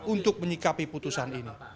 untuk menyikapi putusan ini